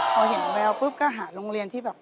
พอเห็นแววปุ๊บก็หาโรงเรียนที่แบบ